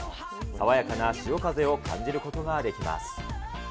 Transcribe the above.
爽やかな潮風を感じることができます。